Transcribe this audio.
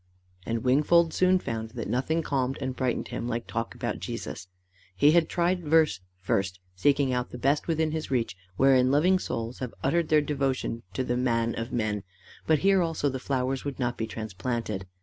And Wingfold soon found that nothing calmed and brightened him like talk about Jesus. He had tried verse first seeking out the best within his reach wherein loving souls have uttered their devotion to the man of men; but here also the flowers would not be transplanted.